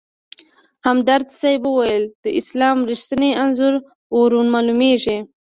همدرد صیب ویل: د اسلام رښتیني انځور ورمالومېږي.